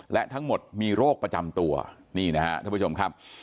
และทั้งหมดมีโรคประจำตัวนี่นะครับท่านผู้ชมครับ